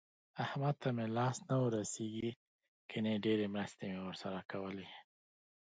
احمد ته مې لاس نه ورسېږي ګني ډېرې مرستې مې ورسره کولې.